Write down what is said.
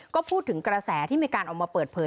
ก็พูดถึงกระแสที่มีการออกมาเปิดเผย